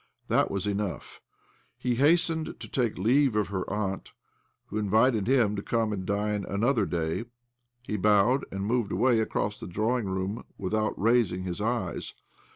That was enough. He hastened to take leave of her aunt, who invited him: to come and dine another day. He bowed, and moved away across the drawing room' without raising his eyes.